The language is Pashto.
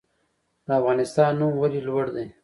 د افغانستان نوم ولې لوړ دی؟